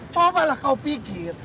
cobalah kau pikir